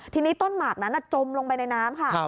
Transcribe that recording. ทีนี้ต้นหมากนั้นจมลงไปในน้ำค่ะ